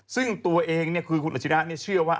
ซึ่งตัวเองคือคุณอาชิระเชื่อว่า